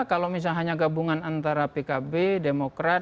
kalau misalnya hanya gabungan antara pkb demokrat dan pdip